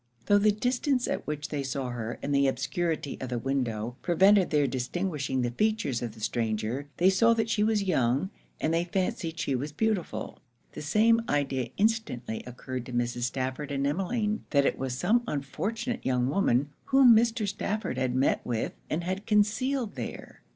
Tho' the distance at which they saw her, and the obscurity of the window, prevented their distinguishing the features of the stranger, they saw that she was young, and they fancied she was beautiful. The same idea instantly occurred to Mrs. Stafford and Emmeline; that it was some unfortunate young woman, whom Mr. Stafford had met with and had concealed there.